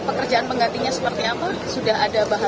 pekerjaan penggantinya seperti apa